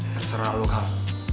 terserah lo kal